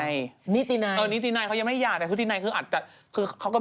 คุณแม่นไปยุ่งเรื่องอะไรของเขาเนี่ยอ๋อแม่นไปยุ่งเรื่องอะไรของเขาเนี่ย